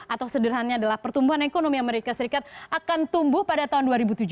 atau sederhananya adalah pertumbuhan ekonomi amerika serikat akan tumbuh pada tahun dua ribu tujuh belas